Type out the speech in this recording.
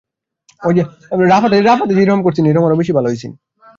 মদ্যপ অবস্থায় গাড়ি চালিয়ে মানুষ হত্যার মামলায় পাঁচ বছরের কারাদণ্ড হয়েছে তাঁর।